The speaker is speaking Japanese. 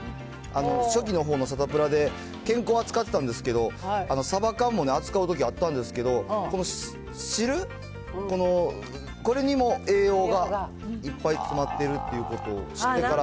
初期のほうのサタプラで、健康扱ってたんですけど、サバ缶も扱うときあったんですけど、この汁、これにも栄養がいっぱい詰まってるっていうこと知ってから。